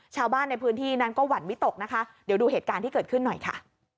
ชาวบ้านในพื้นที่นั้นก็หวั่นวิตกนะคะเดี๋ยวดูเหตุการณ์ที่เกิดขึ้นหน่อยค่ะ